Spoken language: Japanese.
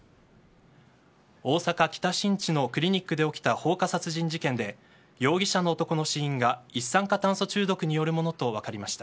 大阪・北新地のクリニックで起きた放火殺人事件で容疑者の男の死因が一酸化炭素中毒によるものと分かりました。